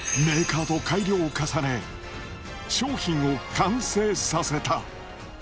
メーカーと改良を重ね、商品を完成させた。